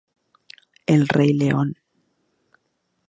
El rey león